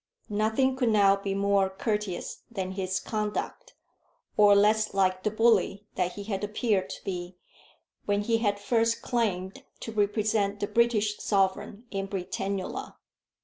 Nothing could now be more courteous than his conduct, or less like the bully that he had appeared to be when he had first claimed to represent the British sovereign in Britannula.